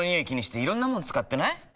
気にしていろんなもの使ってない？